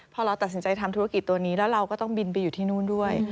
พอเราตัดสินใจทำธุรกิจตัวนี้แล้วเราก็ต้องบินไปอยู่ที่นู่นด้วย